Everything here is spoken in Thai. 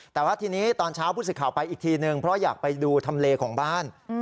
แต่ว่าทีนี้ตอนเช้าผู้สื่อข่าวไปอีกทีนึงเพราะอยากไปดูทำเลของบ้าน